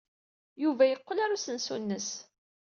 Yuba yeqqel ɣer usensu-nnes.